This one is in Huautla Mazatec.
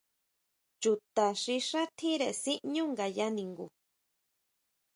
¿Chuta xi xá tjire siʼñu ngaya ningu.